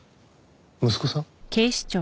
息子さん？